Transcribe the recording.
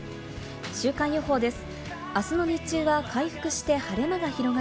週間予報です。